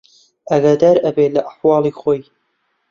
ئاگادار ئەبێ لە ئەحواڵی خۆی